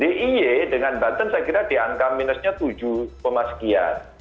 diy dengan banten saya kira di angka minusnya tujuh sekian